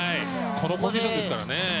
このコンディションですからね。